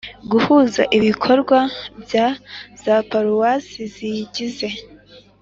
Guhuza ibikorwa bya za paruwasi ziyigize